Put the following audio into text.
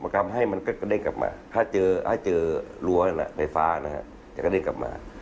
กรณีแล้วเจอหายไฟฟ้านะครับจากเดินกลับมา